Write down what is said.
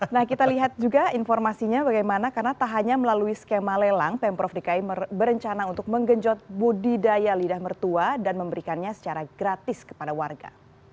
nah kita lihat juga informasinya bagaimana karena tak hanya melalui skema lelang pemprov dki berencana untuk menggenjot budidaya lidah mertua dan memberikannya secara gratis kepada warga